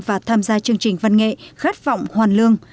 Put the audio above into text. và tham gia chương trình văn nghệ khát vọng hoàn lương